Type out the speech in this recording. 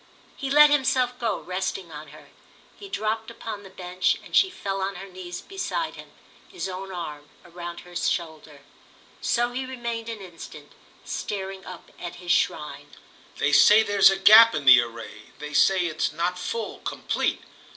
He let himself go, resting on her; he dropped upon the bench and she fell on her knees beside him, his own arm round her shoulder. So he remained an instant, staring up at his shrine. "They say there's a gap in the array—they say it's not full, complete.